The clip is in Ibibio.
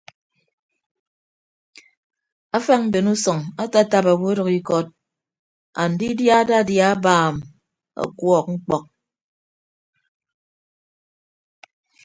Afañ mben usʌñ atatap owo ọdʌk ikọt andidia adadia abaam ọkuọk ñkpọk.